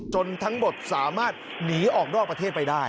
ทั้งหมดสามารถหนีออกนอกประเทศไปได้